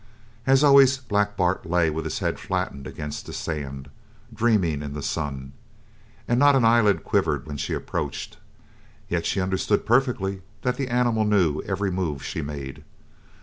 As always, Black Bart lay with his head flattened against the sand, dreaming in the sun, and not an eyelid quivered when she approached, yet she understood perfectly that the animal knew every move she made.